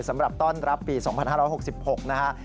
สำหรับต้อนรับปี๒๕๖๖นะฮะ